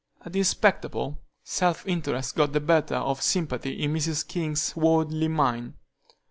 At this spectacle, self interest got the better of sympathy in Mrs. King's worldly mind.